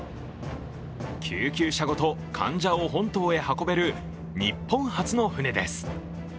救急車ごと患者を本島に運べる日本初の船です。